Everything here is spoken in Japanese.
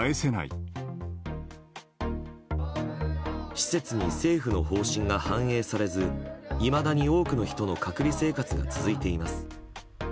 施設に政府の方針が反映されずいまだに多くの人の隔離生活が続いています。